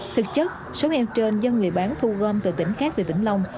thực chất số heo trên dân người bán thu gom từ tỉnh khác về tỉnh long